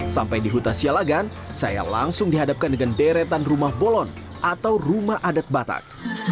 sampai di huta sialagan saya langsung dihadapkan dengan deretan rumah bolon atau rumah adat batak